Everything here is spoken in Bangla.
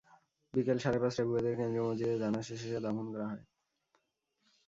বিকেল সাড়ে পাঁচটায় বুয়েটের কেন্দ্রীয় মসজিদে জানাজা শেষে দাফন করা হয়।